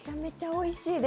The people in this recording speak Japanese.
おいしいです。